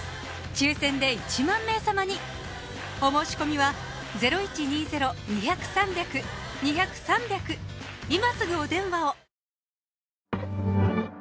抽選で１万名様にお申し込みは今すぐお電話を！